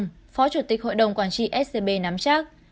phó chủ tịch hội đồng quản trị scb nắm chắc